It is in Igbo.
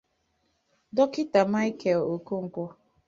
Dọkịta Michael Okonkwo